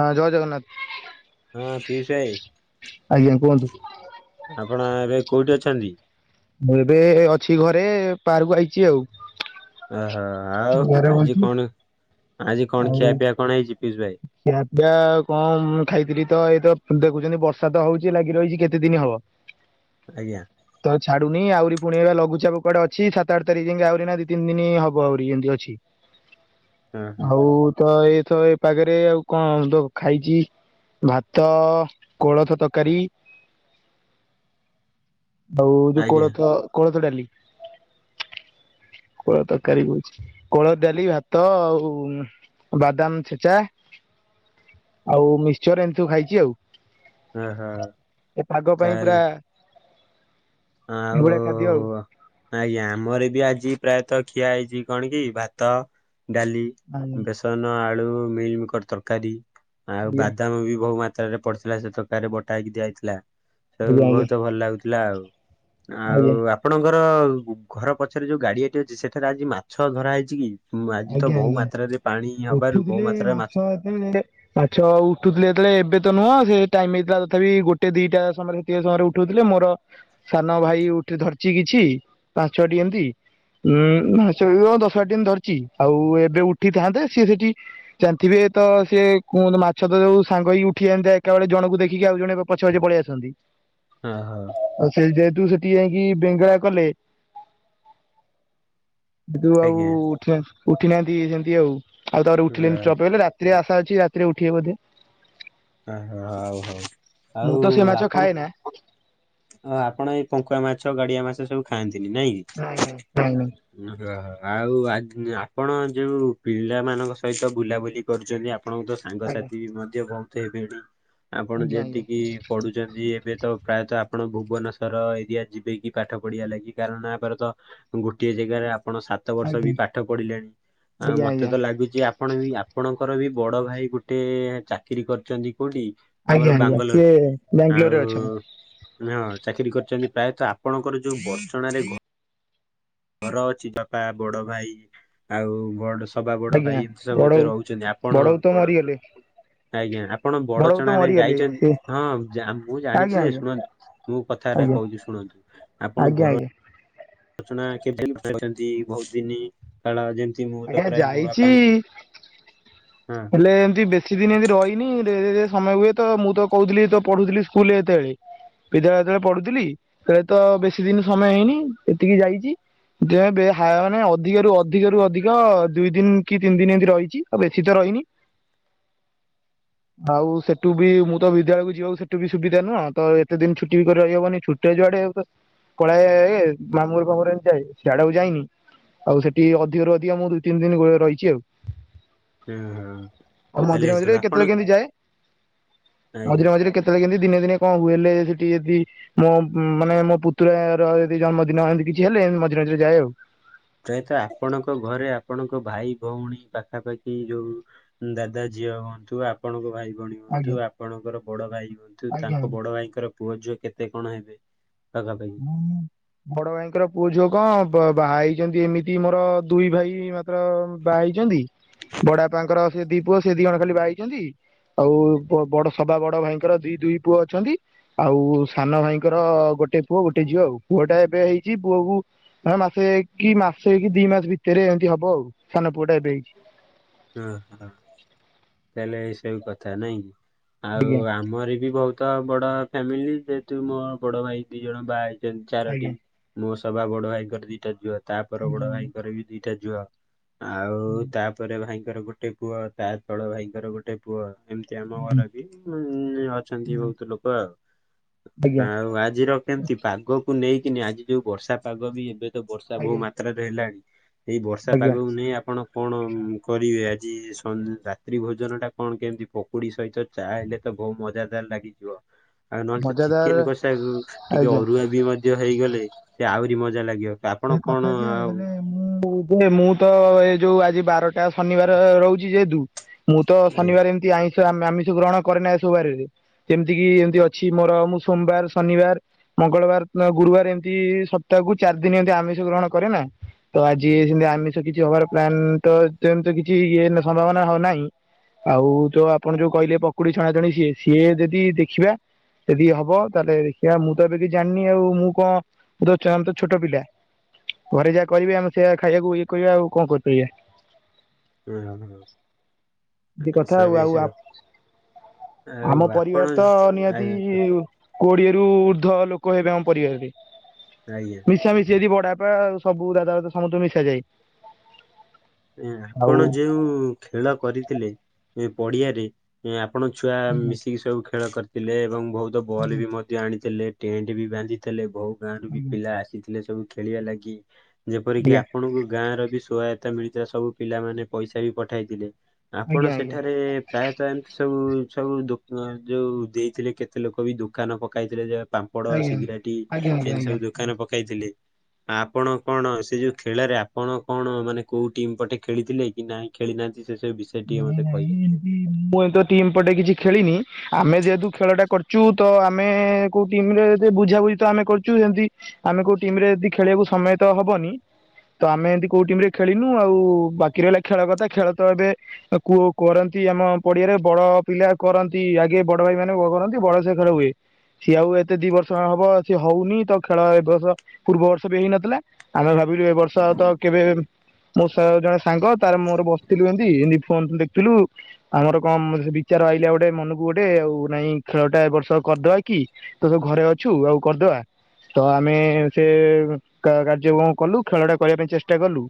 ହଁ, ଜୟ ଜଗନ୍ନାଥ। ହଁ ପିୟୁଷ ଭାଇ, ଆଜ୍ଞା କୁହନ୍ତୁ। ଆପଣ ଏବେ କୋଉଠି ଅଛନ୍ତି? ମୁଁ ଏବେ ଅଛି ଘରେ ପାରକୁ ଆଇଚି ଆଉ। ଓହୋ, ଆଉ ଘରେ ଆଜି ବଇଚି କଣ ଆଜି କଣ ଆଉ ଖିଆପିଆ କଣ ହେଇଚି ପିୟୁଷ ଭାଇ? ଖିଆ ପିଆ କଣ ମୁଁ ଖାଇଥିଲି ତ ଏଇତ ଦେଖୁଚନ୍ତି ବର୍ଷା ତ ହଉଚି ଲାଗି ରହିଚି କେତେ ଦିନି ହବ। ଆଜ୍ଞା। ତ ଛାଡୁନି ଆହୁରି ପୁଣି ଏ ଲଘୁଚାପ କୁଆଡେ ଅଛି। ସାତ ଆଠ ତାରିଖ ଯାଙ୍କେ ଆହୁରି ଏଇନା ଦି ତିି ଦିନି ହବ ଆହୁରି ଏମିତି ଅଛି। ହଁ ହଁ ଆଉ ତ ଏଇତ ଏଇ ପାଗରେ ଆଉ କଣ ତ ଖାଇଚି। ଭାତ, କୋଳଥ ତରକାରୀ। ଆଉ ଯୋଉ ଆଜ୍ଞା କୋଳଥ କୋଳଥ ଡାଲି। କୋଳ ତରକାରୀ କହୁଚି, କୋଳଥ ଡାଲି, ଭାତ ଆଉ ବାଦାମ ଛେ। ଚା ଆଉ ମିକ୍ସଚର ଏମିତି ସବୁ ଖାଇଚି ଆଉ। ଓହୋ ଏ ପାଗ ପାଇଁ ପୁରା। ତାହେଲେ ଏଭଳିଆ ଖାଦ୍ୟ ଆଉ। ଆଜ୍ଞା, ଆମର ବି ଆଜି ପ୍ରାୟତଃ ଖିଆ ହେଇଚି କଣ କି ଭାତ, ଡାଲି। ଆଜ୍ଞା ବେସନ ଆଳୁ ମିଲିମିକର ତରକାରୀ ଆଉ ବାଦାମ ବି ବହୁ ମାତ୍ର। ରେ ପଡିଥିଲା ସେ ତରକାରୀ ରେ ବଟାହେଇକି ଦିଆଯାଇଥିଲା, ସେ ଆଜ୍ଞା ଆଜ୍ଞା ଆଜ୍ଞା ବହୁତ ଭଲ ଲାଗୁଥିଲା ଆଉ। ଆଉ ଆଜ୍ଞା ଆପଣଙ୍କର ଘର ପଛରେ ଯୋଉ ଗାଡିଆଟି ଅଛି ସେଠାରେ ଆଜି ମାଛ ଧରା ହେଇଚି କି? ଆଜି ତ ଆଜ୍ଞା ବହୁ ଆଜ୍ଞା ମାତ୍ରାରେ ପାଣି ହବାରୁ ବହୁ ମାତ୍ରାରେ ମାଛ। ହୁଁ, ମାଛ ଉଠୁଥିଲେ ଯେତବଳେ ଏବେ ତ ନୁହଁ ସେ ଟାଇମ ହେଇଥିଲା ତଥାପି ଗୋଟେ ଦିଟା ସମୟରେ। ଦି ସମୟରେ ଉଠଉଥିଲେ ମୋର ସାନ ଭାଇ ଉଠି ଧରିଚି କିଛି ପାଞ୍ଚଟି ଏମିତି। ଉଁ, ଦଶ ବାର ଟି ଧରିଚି, ଆଉ ଏବେ ଉଠିଥାନ୍ତେ ସିଏ ସେଠି। ଜାଣିଥିବେ ତ ସେ କୁହନ୍ତୁ ମାଛ ତ ଯୋଉ ସାଙ୍ଗ ହେଇକି ଉଠିଜାନ୍ତା ଏକା ବଳେ ଜଣକୁ ଦେଖିକି ଆଉ ଜଣେ। ପଛ ପଛେ ପଳେଇ ଆସନ୍ତି। ହ ଓ ହ। ଆଉ ସେ ଯେହେତୁ ସେଠି ଯାଇକି ବେଙ୍ଗଳା କଲେ। ସେଠୁ ଆଉ ଆଜ୍ଞା ଉଠି ନାହାନ୍ତି ସେମତି ଆଉ, ଆଉ ତାପରେ ଅ, ଉଠିଲେନି ଷ୍ଟପ ହେଇଗଲେ ରା। ରାତିରେ ଆଶା ଅଛି ରାତିରେ ଉଠିବେ ବଧେ। ଓହୋ ହଉ ହଉ, ଆଉ ତ ସେ ମାଛ ଆପଣ। ଖାଏନା ଓ ଆପଣ ଏଇ ପଙ୍କୁଆ ମାଛ, ଗାଡିଆ ମାଛ ସବୁଖାଆନ୍ତିନି ନାଇଁ କି? ନାଇଁ ନାଇଁ ଖାଏନି। ଓ ଆଉ ଆପଣ ଯୋଉ ପିଲାମାନଙ୍କ ସହିତ ବୁଲାବୁଲି କରୁଚନ୍ତି ଆପଣଙ୍କ ତ। ନାଇଁ ସାଙ୍ଗସାଥି ମଧ୍ୟ ବହୁତ ହେବେଣି, ଆପଣ ଆଜ୍ଞା ଯେମିତିକି। ପଢୁଚନ୍ତି ଏବେ ତ ପ୍ରାୟତଃ ଆପଣ ଭୁବନେଶ୍ୱର ଏରିଆ ଯିବେକି ପାଠ ପଢ଼ିଆ ଲାଗି କାରଣ ୟା ପରେ ତ। ଗୋଟିଏ ଯେଗାରେ ଆପଣ ସାତ ଆଜ୍ଞା ବର୍ଷ ଆଜ୍ଞା ବି ପାଠ ପଢିଲେଣି। ଆ ଆଜ୍ଞା ଆଜ୍ଞା ମତେ ତ ଆଜ୍ଞା ଲାଗୁଚି। ଆପଣ ବି ଆପଣଙ୍କର ବି ବଡ ଭାଇ ଗୋଟେ ଚାକିରି କରିଚନ୍ତି କୋଉଠି। ଆମର ଆଜ୍ଞା ଆଜ୍ଞା, ସିଏ ବାଙ୍ଗାଲୋରରେ। ବ୍ୟାଙ୍ଗଲୋର ଆଉ ରେ ଅଛନ୍ତି। ହଁ ଚାକିରି କରିଚନ୍ତି, ପ୍ରାୟତଃ ଆପଣଙ୍କର ଯୋଉ ବଡଚଣା ରେ ଘ। ଘର ଅଛି ଯଥା ବଡ ଭାଇ ଆଉ ବଡ। ସବା ବଡ ଆଜ୍ଞା ଭାଇ ହିସାବ ରେ ତ ବଡବୋଉ ରହୁଚନ୍ତି ଆପଣ ବଡବୋଉ ତ ବଡ ବ। ମରିଗଲେ ଆଜ୍ଞା ଆପଣ ବଡବୋଉ ବଡଚଣା ତ ରେ ମରିଗଲେ ଯାଇଚନ୍ତି ସେ ହଁ ମୁଁ ଆଜ୍ଞା ଜାଣିଚି ଯେ ଆଜ୍ଞା ଶୁଣନ୍ତୁ। ମୁଁ କଥାଟା ଆଜ୍ଞା କହୁଚି ଶୁଣନ୍ତୁ ଆଜ୍ଞା ଆପଣ ବର ଆଜ୍ଞା ରଚଣା [unintelligible] ବହୁତ ଦିନ କାଳ ଯେମତି ମୁଁ ତ ଆଜ୍ଞା ପ୍ରାୟ ମୋ ଯାଇଛି ବାପା ହଁ। ହେଲେ ଏମତି ବେଶୀ ଦିନ ଏମିତି ରହିନି ସମୟ ହୁଏ ତ ମୁଁ ତ କହୁଥିଲି ତ ପଢୁଥିଲି ସ୍କୁଲରେ ଏତେବେଳେ। ବିଦ୍ୟାଳୟ ଯେତେବେଳେ ପଢୁଥିଲି ତଳେ ତ ବେଶୀ ଦିନ ସମୟ ହେଇନି ଏତିକି ଯାଇଚି। ଯେବେ ହ ମାନେ ଅଧିକ ରରୁ ଅଧିକ ରୁ ଅଧିକ ଦୁଇ ଦିନ କି ତିନି ଦିନ ଏମିତି ରହିଚି ଆଉ ବେଶୀ ଶୀତ ରହିନି। ହ ଆଉ ସେଠୁ ବି ମୁଁ ତ ବିଦ୍ୟାଳୟକୁ ଯିବାକୁ ସେଠୁ ବି ସୁବିଧା ନୁହଁ ତ ଏତେ ଦିନ ଛୁଟି ବି କରି ରହବନି ଛୁଟି [unintelligible] ଯୁଆଡେ କଳ [unintelligible] ଏମିତି ଯାଏ ସେଆଡେ ଆଉ ଯାଇନି। ଆଉ ସେଠି ଅଧିକରୁ ଅଧିକ ମୁଁ ଦୁଇ ତିନି ଦିନ ଗଳେ ରହିଛି ଆଉ। ହୁଁ। ଆଉ ମଝିରେ ମଝିରେ କେତେବେଳେ କେମିତି ଯାଏ ଆଜ୍ଞା ମଝିରେ ମଝିରେ କେତେ ବେଳେ କେମିତି ଦିନେ ଦିନେ କଣ ହୁଏଲେ ସେଠି ଯଦି ମୋ ମାନେ ମୋ ପୁତୁର ର ଯଦି ଜନ୍ମଦିନ ଏମିତି କିଛି ହେଲେ ଏମିତି ମଝିରେ ମଝିରେ ଯାଏ ଆଉ। ପ୍ରାୟତ ଆପଣଙ୍କ ଘରେ ଆପଣଙ୍କ ଭାଇ ଭଉଣୀ ପାଖାପାଖି ଯୋଉ ଦାଦା ଝିଅ ହୁଅନ୍ତୁ ଆପଣଙ୍କ ଭାଇ ଭଉଣୀ ଆଜ୍ଞା ହୁୁ ଆପଣଙ୍କର ବଡ ଭାଇ ହୁଅନ୍ତୁ ଆଜ୍ଞା ତାଙ୍କ ବଡ ଭାଇଙ୍କର ପୁଅ ଝିଅ କେତେ କଣ ହେବେ ପାଖା ପାଖି? ମୁଁ ବଡ ଭାଇଙ୍କର ପୁଅ ଝିଅ କଣ ବାହା ହେଇଚନ୍ତି ଏମିତି ମୋର ଦୁଇ ଭାଇ ମା ତ୍ର ବା ହେଇଚନ୍ତି। ବଡବାପାଙ୍କର ସେ ଦି ପୁଅ ସେ ଦି ଜଣ ଖାଲି ବାହେଇଚନ୍ତି। ଆଉ ବଡ ସବା ବଡ ଭାଇଙ୍କର ଦି ଦୁଇ ପୁଅ ଅଛନ୍ତି। ଆଉ ସାନ ଭାଇଙ୍କର ଗୋଟେ ପୁଅ ଗୋଟେ ଝିଅ ଆଉ। ପୁଅ ଟା ଏବେ ହେଇଚି ପୁଅକୁ ହ ମାସେଇ କି ମାସ ହେଇ କି ଦି ମାସ ଭିତରେ ଏମିତି ହବ ଆଉ ସାନ ପୁଅ ଟା ଏବେ ହେଇଚି। ଓହୋ ତାହେଲେ ଏଇସବୁ କଥା ନାଇଁ କି? ଆଉ ଆଜ୍ଞା ଆମର ବି ବହୁତ ବଡ ଫ୍ୟାମିଲି ଯେହେତୁ ମୋ ବଡ ଭାଇ ଦି ଜଣ ବା ହେଇ [unintelligible] ଚାରଟି ଆଜ୍ଞା ମୋ ସଭା ବଡ ଭାଇଙ୍କର ଦିଟା ଝୁଅ ତାପ ବଡ ଆଜ୍ଞା ଭାଇଙ୍କର ବି ଦିଟା ଝୁଅ। ଆଉ ତାପରେ ଭାଇଙ୍କର ଗୋଟେ ପୁଅ ତା ତଳ ଭାଇଙ୍କର ଗୋଟେ ପୁଅ ଏମିତି ଆମ ଘରେ ବି ଉ ଅଛନ୍ତି ବହୁତ ଲୋକ ଆଉ। ଆଜ୍ଞା ଆଜ୍ଞା ଆଉ ଆଜିର କେମତି ପାଗ କୁ ନେଇକିନି ଆଜି ଯୋଉ ବର୍ଷା ପାଗ ବି ଏବେ ତ ବର୍ଷା ବହୁ ମାତ୍ରାରେ ହେଲାଣି ଏଇ ବର୍ଷା ଆଜ୍ଞା ପାଗ ନେଇ ଆପଣ କଣ କରିବେ ଆଜି ସ ରାତ୍ରି ଭୋଜନ ଟା କଣ କେମିତି ପ କୁଡି ସହିତ ଚା ହେଲେ ତ ବହୁତ ମଜାଦାର ଲାଗିଥିବ। ଆଉ ନହେଲେ ତ ମଜାଦାର ଚିକେନ କଷା ଟିକେ ଆଜ୍ଞା ଅରୁଆ ବି ମଧ୍ୟ ହେଇଗଲେ ସେ ଆହୁରି ମଜା ଲାଗିବ। ସେ ଆପଣ କଥା କଣ ଯେ ଆଉ ହେଲେ ମୁଁ ମୁଁ ତ ଏ ଯୋଉ ଆଜି ବାରଟା ଶନିବାର ରହୁଚି ଯେହେତୁ ମୁଁ ତ ଏ ଶନିବାର ଏମିତି ଆଇଷ ଆମିଷ ଗ୍ରହଣ କରେନା ଏ ସବୁ ବାରରେ ଯେମିତି କିି ଏମତି ଅଛି ମୋର ମୁଁ ସୋମବାର ଶନିବାର ମଙ୍ଗଳବାର ଗୁରୁବାର ଏମିତି ସପ୍ତାହକୁ ଚାରି ଦିନ ଏମତି ଆମିଷ ଗ୍ରହଣ କରେ ନା। ତ ଆଜି ସେମତି ଆମିଷ କିଛି ହବାର ପ୍ଲାନ୍ ତ ଯେମ କିଛି ଇଏ ସମ୍ଭାବନା ହଉ ନାହିଁ। ଆଉ ଯୋଉ ଆପଣ ଯୋଉ କହିଲେ ପକୁଡି ଛଣା ଜଣି ସିଏ ସିଏ ଯଦି ଦେଖିବା। ଯଦି ହବ ତାହେଲେ ଦେଖିବା ମୁଁ ତ ଏବେ କି ଜାଣିନି ଆଉ ମୁଁ କଣ ତ ଛୋଟ ପିଲା। ଘରେ ଯାହା କରିବେ ଆମେ ସେଇଆ ଖାଇବାକୁ ଇଏ କରିବା ଆଉ କଣ କରିପାରିବା। ଏମିତି କଥା ଆଉ ଆଉ [inaudible] ଆଉ ଆମ ଆପଣ ପରିବାର ତ ନିହାତି ଆଜ୍ଞା କୁ- କୋଡିଏରୁୁ ଉର୍ଦ୍ଧ ଲୋକ ହେବେ ଆମ ପରିବାରରେ। ଆଜ୍ଞା। ମିଶା ମିଶି ଯଦି ବଡ ବାପା ଆ ସବୁ ଦାଦା ଦଦା ସମସ୍ତୁ ମିଶା ଯାଏ। ଆପଣ ଯୋଉ ଖେଳ କରିଥିଲେ ପଡିଆରେ ଆପଣ ଛୁଆ ଆଜ୍ଞା ମିଶିକି ସବୁ ଖେଳ କରିଥିଲେ ଏବଂ ବହୁତ ବଲ୍ ଆଜ୍ଞା ବି ମ ଆଣିଥିଲେ ଟେଣ୍ଟ ବି ବାନ୍ଧିଥିଲେ ବୋହୁ ଗାଁରୁ ବି ପିଲା ଆସିଥିଲେ ସବୁ ଖେଳିବା ଲାଗି। ଯେପରିକି ଆପଣଙ୍କୁ ଗାଁ ର ବି ସହାୟତା ମିଳିଥିଲା ସବୁ ପିଲାମାନେ ପଇସା ବି ପଠାଇଥିଲେ। ଆପଣ ଆଜ୍ଞା ଆଜ୍ଞା ଆଜ୍ଞା ଆଜ୍ଞା ଆଜ୍ଞା ସେଠାରେ ପ୍ରାୟତଃ ଏମିତି ସବୁ ସବୁ ଦ ଯୋଉ ଦେଇଥିଲେ କେତେ ଲୋକ ବି ଦୋକାନ ପକାଇଥିଲେ ଯ ପାମ୍ପଡ ସିଗାରେଟ ଆଜ୍ଞା ଆଜ୍ଞା ଏମିତି ସବୁ ଆଜ୍ଞା ଦୋକାନ ପକାଇଥିଲେ ଆପଣ କଣ ସେ ଯୋଉ ଖେଳରେ ଆପଣ କଣ ମାନେ କୋଉ ଟିମ୍ ପଟେ ଖେଳିଥିଲେ କି ନାହିଁ ଖେଳିନାହାନ୍ତି ସେ ସବୁ ବିଷୟ ଟିକେ ନାଇଁ ମତେ ନାଇଁ କହିବେ? ଏମିତି ମୁଁ ଏ ତ ଟିମ୍ ପଟେ କିଛି ଖେଳିନି। ଆମେ ଯେହେତୁ ଖେଳଟା କରୁଛୁ ତ ଆମେ କୋଉ ଟିମରେ ବୁଝାବୁଝି ତ ଆମେ କରୁଛୁ ସେମତି ଆମେ କୋଉ ଟିମରେ ଯଦି ଖେଳିବାକୁ ସମୟ ତ ହବନି ତ ଆମେ ଏମିତି କୋଉ ଟିମରେ ଖେଳନୁ ଆଉ ବାକି ରହିଲା ଖେଳ କଥା ଖେଳ ତ ଏବେ କୁ କରନ୍ତି ଆମ ପଡିଆରେ ବଡ ପିଲା କରନ୍ତି ଆଗେ ବଡ ଭାଇ ମାନେ କରନ୍ତି ବଡ ସେ ଖେଳ ହୁଏ। ସିଏ ଆଉ ଏତେ ଦି ବର୍ଷ ହବ ସିଏ ହଉନି ତ ଖେଳ ଏ ବର୍ଷ ପୂର୍ବ ବର୍ଷ ବି ହେଇନଥିଲା। ଆମେ ଭାବିଲୁ ଏ ବର୍ଷ ତ କେବେ ମୋ ଜଣେ ସାଙ୍ଗ ତାର ମୋର ବସିଥିଲୁ। ଅମିତ୍ ଫୋନ୍ କୁ ଦେଖୁଥିଲୁ। ଆମର କଣ ବିଚାର ଆଇଲା ଗୋଟେ ମନକୁ ଗୋଟେ ଆଉ ନାଇଁ ଖେଳଟା ଏବ ବର୍ଷ କରିଦବା କି? ତୋ ତ ଘରେ ଅଛୁ ଆଉ କରିଦବା। ତ ଆମେ ସେ କାର୍ଯ୍ୟକ୍ରମ କଲୁ ଖେଳଟା କରିବା ପାଇଁ ଚେଷ୍ଟା କଲୁ।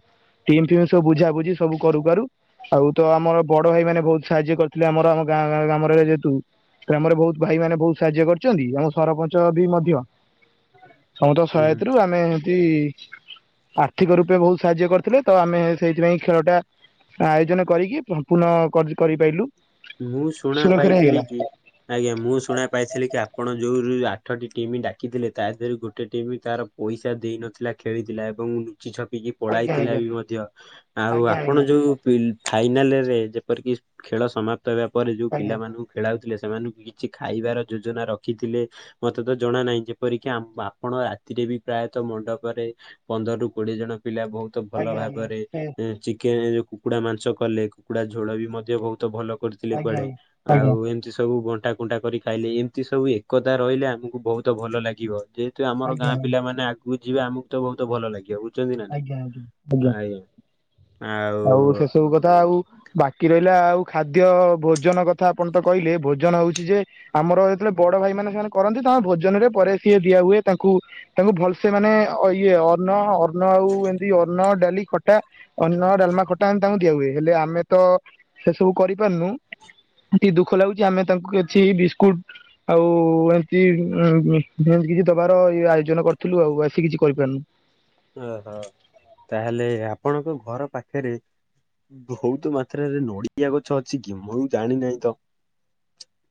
ଟିମ୍ ଫିମ୍ ସବୁ ବୁଝା ବୁଝି ସବୁ କରୁ କରୁ ଆଉ ତ ଆମର ବଡ ଭାଇ ମାନେ ବହୁତ ସାହାଯ୍ୟ କରିଥିଲେ ଆମର ଆମ ଗାଁ ଗାମରେ ଯେହେତୁ। ଗ୍ରାମରେ ବହୁତ ଭାଇ ମାନେ ବହୁତ ସାହାଯ୍ୟ କରୁଛନ୍ତି ଆମ ସରପଞ୍ଚ ବି ମଧ୍ୟ ସମସ୍ତଙ୍କ ହୁଁ। ସହାୟତରୁ ଆମେ ଏମିତି ଆର୍ଥିକ ରୂପେ ବହୁତ ସାହାଯ୍ୟ କରିଥିଲେ ତ ଆମେ ସେଇଥିପାଇଁ ଖେଳ ଟା ଆୟୋଜନ କରିକି ପୂର୍ଣ୍ଣ କରି କରିପାରିଲୁ। ମୁଁ ଶୁଣା ସୁରକ୍ଷରେ ପାଇଥିଲି ହେଇଗଲା। କି? ଆଜ୍ଞା ମୁଁ ଶୁଣା ପାଇଥିଲି କି ଆପଣ ଯୋଉ ଆଠଟି ଟିମ୍ ଡାକିଥିଲେ ତା ଦେହରେ ଗୋଟେ ଟିମ୍ ତାର ପଇସା ଦେଇ ନଥିଲା ଖେଳିଥିଲା ଏବଂ ଲୁଚି ଛପିକି ଆଜ୍ଞା ପଳାଇଥିଲେ ଆଜ୍ଞା ବି ମଧ୍ୟ ଆଉ ଆଜ୍ଞା ଆଜ୍ଞା ଆପଣ ଯୋଉ ଫାଇନାଲରେ ଯେପରିକି ଖେଳ ସମାପ୍ତ ହେବା ପରେ ଯୋଉ ଆଜ୍ଞା ପିଲାମାନଙ୍କୁ ଖେଳାଉଥିଲେ ସେମାନଙ୍କୁ କିଛି ଖାଇବାର ଯୋଜନା ରଖିଥିଲେ? ମତେ ତ ଜଣା ନାହିଁ ଯେପରିକି ଆପଣ ରାତିରେ ବି ପ୍ରାୟତଃ ମଣ୍ଡପରେ ପନ୍ଦରରୁ କୋଡିଏ ଜଣ ପିଲା ବହୁତ ଭଲ ଆଜ୍ଞା ଆଜ୍ଞା ଭାବରେ ସେ ଚିକେନ କୁକୁଡ଼ା ମାଂସ କଲେ, କୁକୁଡ଼ା ଝୋଳ ବି ମଧ୍ୟ ବହୁତ ଭଲ କରିଥିଲେ ଆଜ୍ଞା। କୁଆଡେ, ଆଜ୍ଞା ଆଉ ଏ ଏମତି ସବୁ ବଣ୍ଟା କୁଣ୍ଟା କରି ଖାଇଲେ, ଏମିତି ସବୁ ଏକତା ରହିଲେ ଆମକୁ ବହୁତ ଭଲ ଲାଗିବ, ଯେ ତ ଆମର ଗାଁ ଆଜ୍ଞା ପିଲା ମାନ ଆଗକୁ ଯିବେ ଆମକୁ ତ ବହୁତ ଭଲ ଲାଗିବ, ବୁଝେ ଆଜ୍ଞା ଆଜ୍ଞା ଆଉ ସେସବୁ କଥା ଆଉ। ବାକି ରହିଲା ଆଉ ଖାଦ୍ୟ ଭୋଜନ କଥା ଆପଣ ତ କହିଲେ ଭୋଜନ ହଉଛି ଯେ ଆମର ଯେତେବେଳେ ବଡ ଭାଇମାନେ ସେମାନେ କରନ୍ତି ତାଙ୍କ ଭୋଜନରେ ପରେ ସିଏ ଦିଆ ହୁଏ ତାଙ୍କୁ। ତାଙ୍କୁ ଭଲସେ ମାନେ ଅ ଇଏ ଅନ୍ନ ଅ ଅନ୍ନ ଆଉ ଏମିତି ଅନ୍ନ ଡାଲି ଖଟା, ଅନ୍ନ ଡାଲମା ଖଟା ଏମତି ତାଙ୍କୁ ଦିଆ ହୁଏ, ହେଲେ ଆମେ ତ ସେ ସବୁ କରିପାରୁନୁ ଟିକେ ଦୁଃଖ ଲାଗୁଛି ଆମେ ତାଙ୍କୁ କିଛି ବିସ୍କୁଟ ଆଉ ଏମତି [unintelligible] କିଛି ଦବାର ଆୟୋଜନ କରିଥିଲୁ ଆଉ ଆସି କିଛି କରିପାରୁନୁ। ଓହୋ, ତାହେଲେ ଆପଣଙ୍କ ଘର ପାଖେରେ ବହୁତ ମାତ୍ରାରେ ନଡ଼ିଆ ଗଛ ଅଛି କି ମୁଁ ଜାଣିନାହିଁ ତ?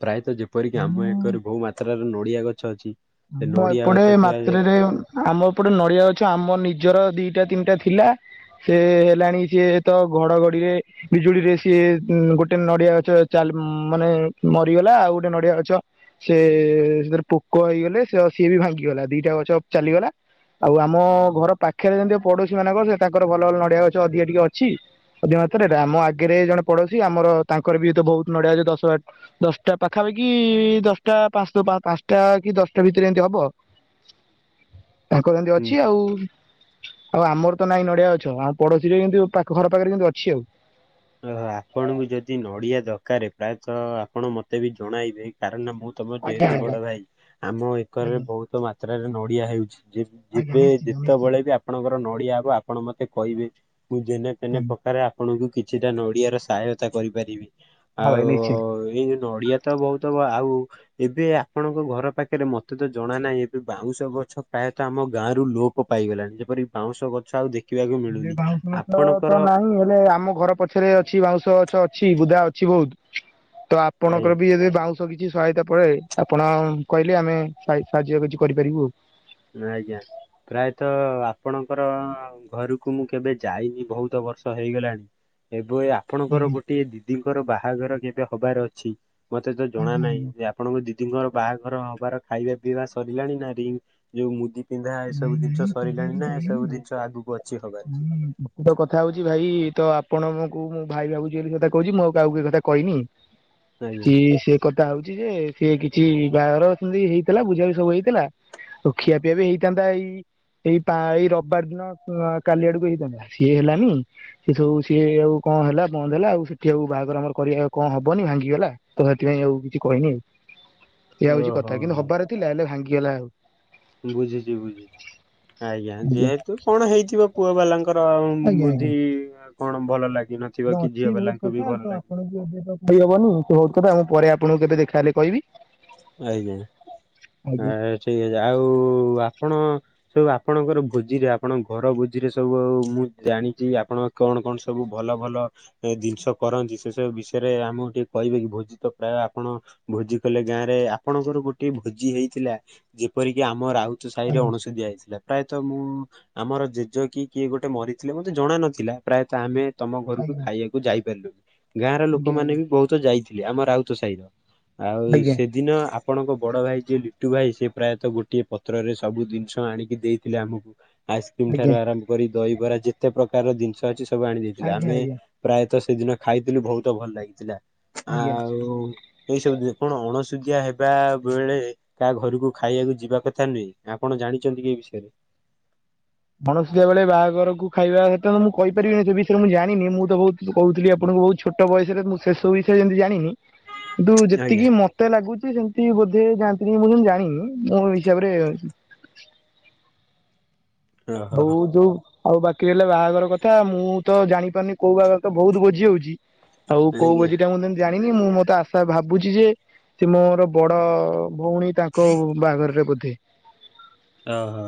ପ୍ରାୟତଃ ଯେପରିକି ଆମ ମୁଁ ଏକରେ ବହୁ ମାତ୍ରାରେ ନଡିଆ ଗଛ ଅଛି। ସେ ଆମ ନଡିଆ ଏପଟେ ଗଛ ଥିବା ମାତ୍ରରେ ଆମ ଏପଟେ ନଡିଆ ଗଛ ଆମ ନିଜର ଦିଇଟା ତିନିଟା ଥିଲା। ସେ ହେଲାଣି ସିଏ ତ ଘଡ଼ଘଡିରେ ବିଜୁଳିରେ ସିଏ ଗୋଟେ ନଡିଆ ଗଛ ଚାଲ ମାନେ ମରିଗଲା ଆଉ ଗୋଟେ ନଡିଆ ଗଛ ସେ ସେଥିରେ ପୋକ ହେଇଗଲେ ସେ ସିଏ ବି ଭାଙ୍ଗିଗଲା ଦିଇଟା ଗଛ ଚାଲିଗଲା। ଆଉ ଆମ ଘର ପାଖରେ ଯେମିତି ପଡୋଶୀ ମାନଙ୍କର ସେ ତାଙ୍କର ଭଲ ଭଲ ନଡିଆ ଗଛ ଅଧିକା ଟିକେ ଅଛି। ଅଧିକ ମାତ୍ରାରେ ଆମ ଆଗରେ ଜଣେ ପଡୋଶୀ ଆମର ତାଙ୍କରିବି ତ ବହୁତ ନଡିଆ ଗଛ ଦଶ ବାରଟା। ଦଶଟା ପାଖାପାଖି ଦଶଟା [unintelligible] ପାନ୍ସଟା କି ଦଶ ଟା ଭିତରେ ଏମିତି ହବ, ତାଙ୍କର ଏମିତି ଯେ ଅଛି ଆଉ। ଆଉ ଆମର ତ ନାଇଁ ନଡିଆ ଗଛ ଆଉ ପଡୋଶୀରେ କିଇନ୍ତି ପାଖ ଘର ପାଖରେ କିନ୍ତୁ ଅଛି ଆଉ। ତ ଆପଣଙ୍କୁ ଯଦି ନଡ଼ିଆ ଦରକାରେ ପ୍ରାୟତଃ ଆପଣ ମୋତେ ବି ଜଣାଇବେ, କାରଣ ମୁଁ ତମେ ଆଜ୍ଞା ଯେହେତୁ ଆଜ୍ଞା। ବଡ ଭାଇ, ଆମ ଏକରରେ ଆଜ୍ଞା ବହୁତ ମାତ୍ରାରେ ନଡିଆ ହେଉଛି। ଯି ଆଜ୍ଞା ଯିବେ ନିଶ୍ଚିନ୍ତ ନିଶ୍ଚିତ ଯେତେବେଳେ ବି ଆପଣଙ୍କର ନଡ଼ିଆ ହବ ଆପଣ ମତେ କହିବେ। ମୁ ଯେନେ ତେନେ ଆଜ୍ଞା ପ୍ରକାରେ ଆ ଆପଣଙ୍କୁ କିଛିଟା ନଡ଼ିଆର ସାହାୟତା କରିପାରିବି, ହଁ ଭାଇ ଆଉ ନିଶ୍ଚିନ୍ତ। ଏଇ ଯଉ ନଡ଼ିଆ ତ ବହୁତ ବ ଆଉ ଏବେ ଆପଣଙ୍କ ଘର ପାଖରେ ମତେ ତ ଜଣା ନାହିଁ ଏବେ ବାଉଁଶ ଗଛ ପ୍ରାୟତ ଆମ ଗାଁରୁ ଲୋପ୍ ପ ପାଇଗଲାଣି, ଯେପରି ବାଉଁଶ ଗଛ ଆଉ ଦେ ସେ ବାଉଁଶ ଗଛ ତ ନାହିଁ ହେଲେ ଆମ ଘର ପ ଛରେ ଅଛି ବାଉଁଶ ଗଛ ଅଛି ବୁଦା ଅଛି ବହୁତ୍ ତ ଏ ଆପଣଙ୍କର ବି ଯଦି ବାଉଁ ତ କିଛି ସହାୟତା ପଡ଼େ ଆପଣ କହିଲେ ଆମେ ସାଇ ସାହାଯ୍ୟ କିଛି କରିପାରିବୁ। ନା ଆଜ୍ଞା। ପ୍ରାୟତଃ ଆପଣଙ୍କର ଘରକୁ ମୁଁ କେବେ ଯାଇନି ବହୁତ ବର୍ଷ ହେଇଗଲାଣି? ଏଭୟା। ଆପଣଙ୍କର ଆଜ୍ଞା ଗୋଟିଏ ଦିଦିଙ୍କର ବାହାଘର କେବେ ହବାର ଅଛି ମତେ ତ ଜଣା ଆଜ୍ଞା ନାହିଁ ଆଜ୍ଞା ଯେ ଆ ଆପଣଙ୍କ ଦିଦିଙ୍କର ବାହାଘର ହବାର ହେବାର ଖାଇବା ପିଇବା ସରିଲାଣି ନା ରିଙ୍ଗ ଯୋଉ ମୁଦି ପିନ୍ଧା ନାଇଁ ଏସବୁ ଜିନିଷ ନାଇଁ ସେ ଯାଇକି ସରିଲାଣି ନା ଯାଇନି ଏସବୁ ଆଉ। ଜିନିଷ ଆଗକୁ ଅଛି ହବା? ହୁଁ ପ୍ରକୁତ କଥା ହଉଛି ଭାଇ ତ ଆପଣଙ୍କୁ ମୁଁ ଭାଇ ଭାବୁଛି ବୋଲି ଏ କଥା କହୁଛି ମୁଁ ଆଉ କାହାକୁ କଥା କହିନି। ଆଜ୍ଞା। ଚି ସେ କଥା ହଉଛି ଯେ ସିଏ କିଛି ବାହାଘର ସେମିତି ହେଇଥିଲା ବୁଝାବି ସବୁ ହେଇଥିଲା। ଆଉ ଖିଆପିଆ ବି ହେଇଥାନ୍ତା ଏଇ ଏଇ ପା ଏଇ ରବିବାର ଦିନ କାଲି ଆଡ଼କୁ ହେଇଥାନ୍ତା ସିଏ ହେଲାନି। ସେ ସବୁ ସିଏ ଆଉ କଣ ହେଲା ବନ୍ଦ ହେଲା ଆଉ ସେଠି ଆଉ ବାହାଘର ଆମର କରିବା କଣ ହବନି ଭାଙ୍ଗିଗଲା। ତ ସେଥିପାଇଁ ଆଉ କିଛି କହିନି ଆଉ, ଏଇଆ ହଉଛି ଓହୋ କଥା କିନ୍ତୁ ହବାର ଥିଲା ହେଲେ ଭାଙ୍ଗିଗଲା ଆଉ। ବୁଝୁଛି ବୁଝୁଛି, ଆଜ୍ଞା ଯେହେତୁ କଣ ହେଇଥିବ ପୁଅ ବାଲାଙ୍କ? ଙ୍କର ଆଉ ଆଜ୍ଞା ଆଜ୍ଞା। ଭୁଜି କଣ ଭଲ ଲାଗି ନା ନଥିବ କି ଅଛି ଝିଅ ବହୁତ ବାଲାଙ୍କୁ କଥା ବି ଭଲ ତ ଲାଗି ଆପଣଙ୍କୁ ଏବେ ତ କହିହବନି ସେ ବହୁତ କଥା ମୁଁ ପରେ ଆପଣଙ୍କୁ କେବେ ଦେଖାହେଲେ କହିବି। ଆଜ୍ଞା। ଆ ଆଜ୍ଞା ଠିକ୍ ଅଛି ଆଉ ଆପଣ ସବୁ ଆପଣଙ୍କର ଭୋଜିରେ ଆପଣଙ୍କ ଘର ଭୋଜିରେ ସବୁ ମୁଁ ଜାଣିଛି ଆପଣ କଣ କଣ ସବୁ ଭଲ ଭଲ ଏ ଜିନିଷ କରନ୍ତି ସେସବୁ ବିଷୟରେ ଆମକୁ ଟିକେ କହିବେ କି। ଭୋଜି ତ ପ୍ରାୟ ଆପଣ ଭୋଜି ହେଲେ ଗାଁରେ। ଆପଣଙ୍କର ଗୋଟେ ଭୋଜି ହେଇଥିଲା ଯେପରିକି ଆମ ରାଉତୁ ସେ ସାହିରେ ଅଣସୁଦିଆ ହେଇଥିଲା। ପ୍ରାୟତଃ ମୁଁ ଆମର ଜେଜେ କି କିଏ ଗୋଟେ ମରିଥିଲେ ମତେ ଜଣା ନଥିଲା। ପ୍ରାୟତଃ ଆମେ ତମ ଘରକୁ ଆଜ୍ଞା ଖାଇବାକୁ ଯାଇ ପାରିଲୁନି। ଗାଁ ର ଆଜ୍ଞା ଲୋକମାନେ ବି ବହୁତ ଯାଇଥିଲେ ଆମ ରାଉତ ସାହିରୁ। ଆଉ ଆଜ୍ଞା ସେ। ଦିନ ଆପଣଙ୍କ ବଡ଼ ଭାଇ ଯିଏ ଲିଟୁ ଭାଇ ସେ ପ୍ରାୟତଃ ଗୋଟିଏ ପତ୍ରରେ ସବୁ ଜିନିଷ ଆଣିକି ଦେଇ ଥିଲେ। ଦେଇଥିଲେ ଆମକୁ। ଆଇସ୍କ୍ରିମି ଠାରୁ ଆଜ୍ଞା ଆରମ୍ଭ କରି ଦହିବରା ଯେତେ ପ୍ରକାର ଜିନିଷ ଅଛି ସବୁ ଆଣି ଦେଇଥିଲେ। ଆଜ୍ଞା ଆମେ ପ୍ରାୟତଃ ସେଦିନ ଖାଇଥିଲି ବହୁତ ଭଲ ଲାଗିଥିଲା। ଆଜ୍ଞା ଆଜ୍ଞା। ଆଉ ଏଇ ସବୁ ଦିନ କଣ ଅଣସୁଧିଆ ହେବା ବେଳେ କାହା ଘରକୁ ଖାଇବାକୁ ଯିବା କଥା ନୁହେଁ ଆପଣ ଜାଣିଛନ୍ତି କିଏ ଏ ବିଷୟରେ? ଅଣଶୁଧିଆ ବେଳେ ବାହାଘରକୁ ଖାଇବା ଏତେ କଥା ମୁଁ କହିପାରିବିନି ସେ ବିଷୟରେ ମୁଁ ଜାଣିନି ମୁଁ ତ ବହୁତୁ କହୁଥିଲି ଆପଣଙ୍କୁ ବହୁତୁ ଛୋଟ ବୟସରେ ମୁଁ ସେ ସବୁ ବିଷୟରେ ଯେମିତି ଜାଣିନି। କିନ୍ତୁ ଆଜ୍ଞା ଯେତିକି ମତେ ମତେ ଲାଗୁଛି ଯେମିତି ବୋଧେ ଜାଣିଥିଲି ମୁଁ ଯେତି ଜାଣିନି ମୋ ହିସାବରେ ଓହୋ ଆଉ ଯୋଉ ଆଉ ବାକି ରହିଲା ବାହାଘର କଥା ମୁଁ ତ ଜାଣିପାରୁନି କୋଉ ବାହାଘର ତ ବହୁତୁ ଭୋଜି ହଉଛି। ଆଉ କୋଉ ଆଜ୍ଞା ଭୋଜିଟା ମୁଁ ଯେମିତି ଜାଣିନି ମୁଁ ମତେ ଆଶା ଭାବୁଛି ଯେ। ସେ ମୋର ବଡ଼ ଭଉଣୀ ତାଙ୍କ ବାହାଘରରେ ବୋଧେ। ଓହୋ।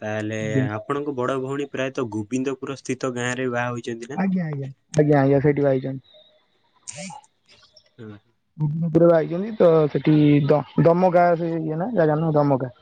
ତାହେଲେ ଆପ ଆପଣଙ୍କ ବଡ଼ ଭଉଣୀ ପ୍ରାୟତଃ ଗୋବିନ୍ଦପୁର ସ୍ଥିତ ଗାଁ ରେ ବାହା ହୋଇଛନ୍ତି। ଆଜ୍ଞା ଆଜ୍ଞା। ଆଜ୍ଞା ଆଜ୍ଞା ସେଇଠି ବାହା ହୋଇଛନ୍ତି। ହୁଁ। ଗୋବିନ୍ଦପୁରରେ ବାହା ହେଇଛନ୍ତି ତ ସେଠି ଦ ଦମକା ସେ ଇଏ ନା ଜାଗା ନାଁ ଦମକା।